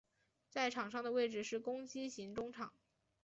在场上的位置是攻击型中场。